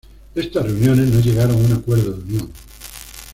Estas reuniones no llegaron a un acuerdo de unión.